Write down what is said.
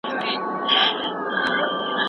هورمونونه د وینې له لارې د بدن مختلفو برخو ته رسېږي.